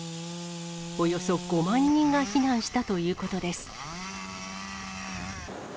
およそ５万人が避難したということです。